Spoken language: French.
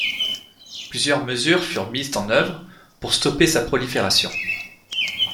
Plusieurs mesures furent mises en œuvre pour stopper sa prolifération.